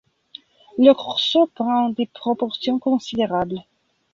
Le corso prend des proportions considérables.